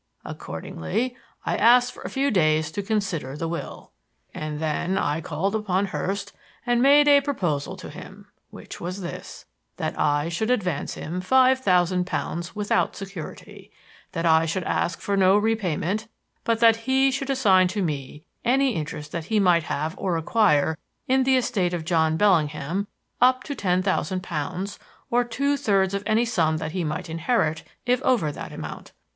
Accordingly, I asked for a few days to consider the will, and then I called upon Hurst and made a proposal to him; which was this: That I should advance him five thousand pounds without security; that I should ask for no repayment, but that he should assign to me any interest that he might have or acquire in the estate of John Bellingham up to ten thousand pounds, or two thirds of any sum that he might inherit if over that amount.